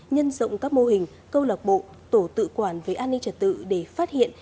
nhân rộng các mô hình câu lạc bộ tổ tự quản về an ninh trật tự để phát hiện